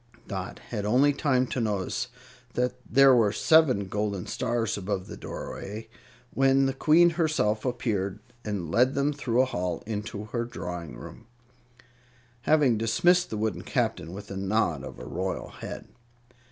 Dot had only time to notice that there were seven golden stars above the doorway, when the Queen herself appeared and led them through a hall into her drawing room, having dismissed the wooden Captain with a nod of her royal head.